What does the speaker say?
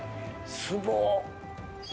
すごっ！